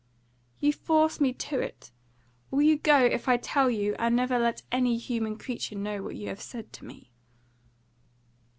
"You force me to it! Will you go if I tell you, and never let any human creature know what you have said to me?"